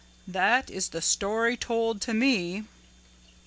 "That is the story told to me."